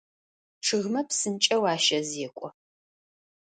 Чъыгмэ псынкӏэу ащэзекӏо.